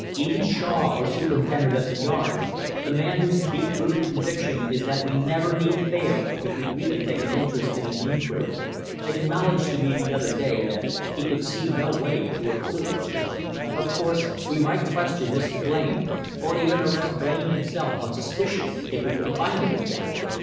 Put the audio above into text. Even Shaw, our superintendent at the Yard, a man whose deep rooted conviction is that we never need fail if we really take an interest in an inquiry, acknowledged to me the other day that he could see no way to a clue. Of course, we might question Mrs. Blain, or even arrest Blain himself on suspicion if we could find him again.